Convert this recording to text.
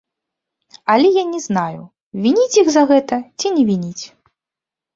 Але я не знаю, вініць іх за гэта ці не вініць.